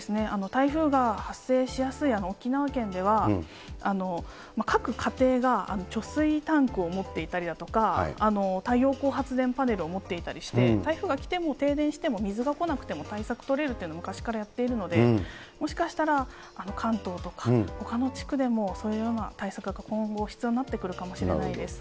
台風が発生しやすい沖縄県では、各家庭が貯水タンクを持っていたりだとか、太陽光発電パネルを持っていたりして、台風が来ても、停電しても、水が来なくても対策取れるっていうのを昔からやっているので、もしかしたら、関東とかほかの地区でも、そういうような対策が今後、必要になってくるかもしれないです。